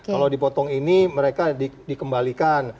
kalau dipotong ini mereka dikembalikan